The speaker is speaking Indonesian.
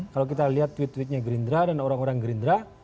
kalau kita lihat tweet tweetnya gerindra dan orang orang gerindra